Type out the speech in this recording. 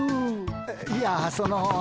いやその。